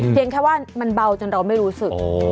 แค่ว่ามันเบาจนเราไม่รู้สึก